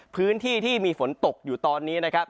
พื้นที่ที่มีฝนตกอยู่ตอนนี้นะครับ